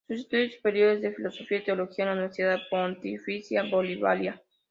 Sus estudios superiores de Filosofía y Teología en la Universidad Pontificia Bolivariana.